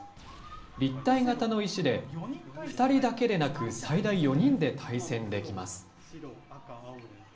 立体型の石で、２人だけでなく、最大４人で対戦できます。